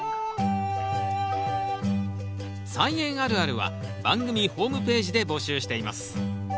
「菜園あるある」は番組ホームページで募集しています。